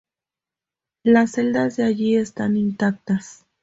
Las celdas de allí están intactas.